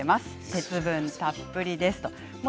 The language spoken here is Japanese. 鉄分たっぷりです。